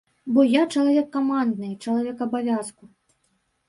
Бо я чалавек камандны, чалавек абавязку.